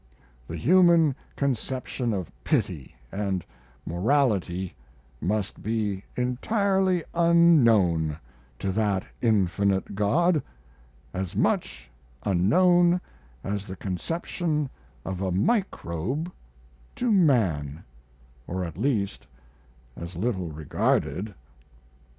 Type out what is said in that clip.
The human conception of pity and morality must be entirely unknown to that Infinite God, as much unknown as the conceptions of a microbe to man, or at least as little regarded.